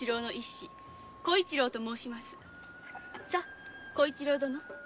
さあ小一郎殿。